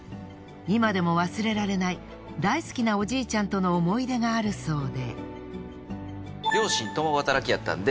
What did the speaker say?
今でも忘れられない大好きなおじいちゃんとの思い出があるそうで。